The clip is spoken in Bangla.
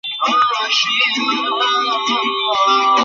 তোমাদের দিক থেকে না থেমে অপারেশনে লেগে থাকো।